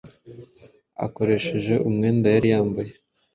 akoresheje umwenda yari yambaye